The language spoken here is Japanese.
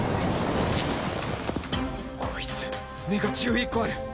こいつ眼が１１個ある。